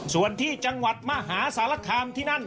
ส่วนที่จังหวัดมหาสารคามที่นั่น